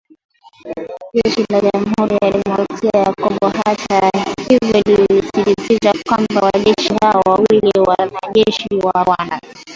Jeshi la Jamuhuri ya Kidemokrasia ya Congo hata hivyo linasisitiza kwamba “wanajeshi hao wawili ni wanajeshi wa Rwanda"